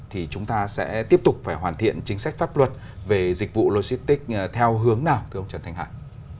thì chúng ta sẽ tiếp tục phải hoàn thiện chính sách pháp luật về dịch vụ logistics theo hướng nào thưa ông trần thanh hải